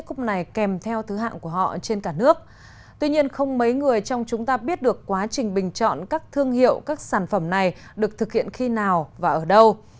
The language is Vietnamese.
tuy nhiên không mấy người trong chúng ta biết được quá trình bình chọn các thương hiệu các sản phẩm này được thực hiện khi nào và ở đâu